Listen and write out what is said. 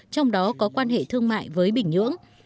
trong đó có quan hệ thương mại với bình nhưỡng